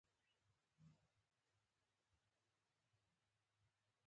ازادي راډیو د اقتصاد په اړه د حقایقو پر بنسټ راپور خپور کړی.